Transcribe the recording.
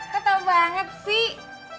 kau tahu banget sih